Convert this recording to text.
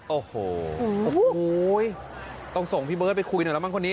โอ้โหโอ้โหต้องส่งพี่เบิร์ตไปคุยหน่อยแล้วมั้งคนนี้